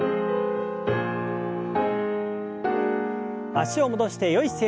脚を戻してよい姿勢に。